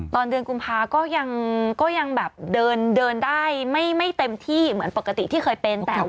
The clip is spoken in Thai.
ตอนเดือนกุมภาก็ยังแบบเดินได้ไม่เต็มที่เหมือนปกติที่เคยเป็นแต่ว่า